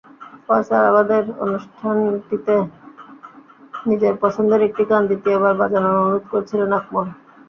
ফয়সলাবাদের অনুষ্ঠানটিতে নিজের পছন্দের একটি গান দ্বিতীয়বার বাজানোর অনুরোধ করেছিলেন আকমল।